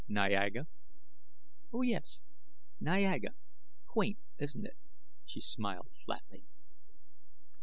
"Niaga." "Oh, yes; Niaga. Quaint, isn't it?" She smiled flatly.